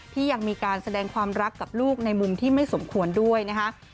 ที่ยังมีการแสดงความรักกับลูกในมุมที่ไม่สมควรด้วยนะคะ